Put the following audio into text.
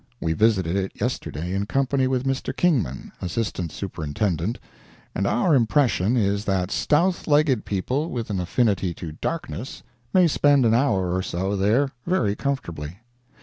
We visited it yesterday, in company with Mr. Kingman, Assistant Superintendent, and our impression is that stout legged people with an affinity to darkness, may spend an hour or so there very comfortably.